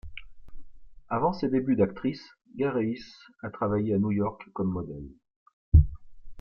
Avant ses débuts d'actrice, Gareis a travaillé à New York comme modèle.